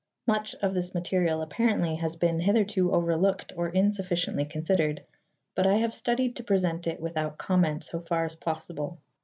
Much of this material apparently has been hitherto overlooked or insufficiently considered, but I have studied to present it without comment so far as possible.